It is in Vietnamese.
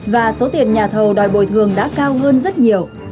và số tiền nhà thầu đòi bồi thường đã cao hơn rất nhiều